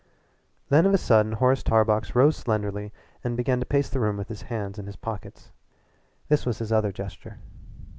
Then of a sudden Horace Tarbox rose slenderly and began to pace the room with his hands in his pockets. This was his other gesture.